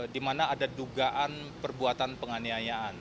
di mana ada dugaan perbuatan penganiayaan